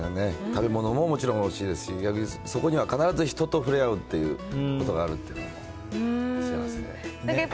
食べ物ももちろんおいしいですし、そこには必ず人と触れ合うってことがあるっていうのは幸せな。